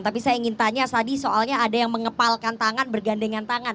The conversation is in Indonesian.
tapi saya ingin tanya tadi soalnya ada yang mengepalkan tangan bergandengan tangan